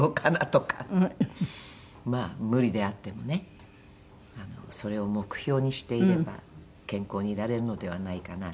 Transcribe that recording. まあ無理であってもねそれを目標にしていれば健康でいられるのではないかなと。